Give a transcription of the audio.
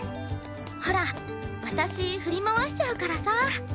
ほら私振り回しちゃうからさ。